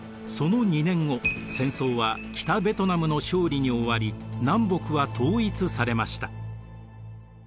その２年後戦争は北ベトナムの勝利に終わり南北は統一されました。